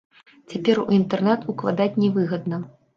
Цяпер у інтэрнэт укладаць нявыгадна.